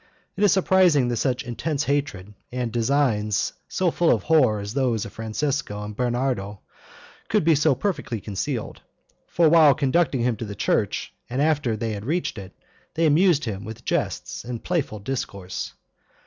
It is surprising that such intense hatred, and designs so full of horror as those of Francesco and Bernardo, could be so perfectly concealed; for while conducting him to the church, and after they had reached it, they amused him with jests and playful discourse.